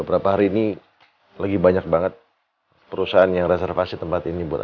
reina tidak akan jatuh ke tangan siapa pun